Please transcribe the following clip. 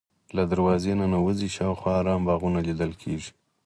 له دروازې ننوځې شاوخوا ارام باغونه لیدل کېږي.